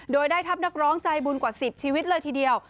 โดยได้ทัพนักร้องใจบุญกว่า๑๐ชีวิตเลยทีเดียว